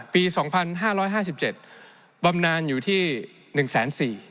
ปี๒๕๕๗บำนานอยู่ที่๑๔๐๐บาท